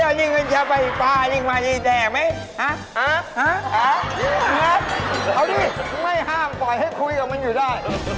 เอาลิไม่ห้ามปล่อยให้คุยกับมันอยู่ได้